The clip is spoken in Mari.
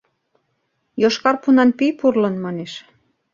«Йошкар пунан пий пурлын» манеш.